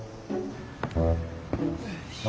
よいしょ。